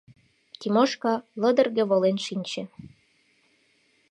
Тимошка лыдырге волен шинче.